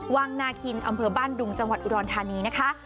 วังนาคินอำเภอบ้านดุงจังหวัดอุดรธานีนะคะ